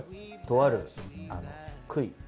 とあるすっごい